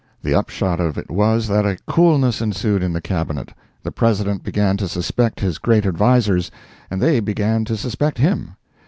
The upshot of it was, that a coolness ensued in the Cabinet. The President began to suspect his great advisers, and they began to suspect him.